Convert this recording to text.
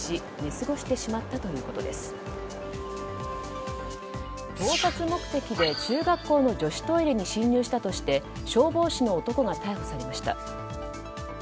盗撮目的で中学校の女子トイレに侵入したとして消防士の男が逮捕されました。